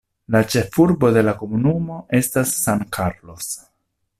La ĉefurbo de la komunumo estas San Carlos.